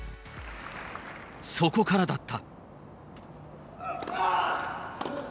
そこからだった。